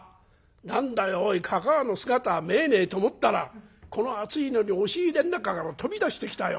何だよおいかかあの姿見えねえと思ったらこの暑いのに押し入れの中から飛び出してきたよ。